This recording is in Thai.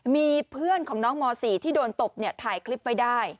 มีเพื่อนของน้องม๔ที่โดนตบถ่ายคลิปไว้ได้